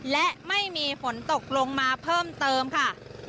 และไม่มีฝนตกลงมาเพิ่มเติมค่ะ